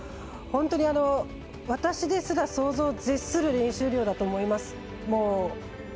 本当に、私ですら想像を絶する練習量だと思います。